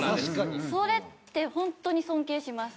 それって本当に尊敬します。